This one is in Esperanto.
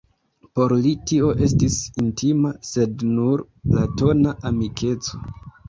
Por li tio estis intima, sed nur platona amikeco.